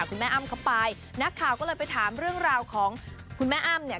แม่อ้ำเข้าไปนักข่าวก็เลยไปถามเรื่องราวของคุณแม่อ้ำเนี่ย